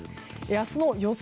明日の予想